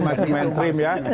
masih mainstream ya